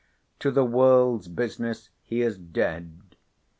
To the world's business he is dead.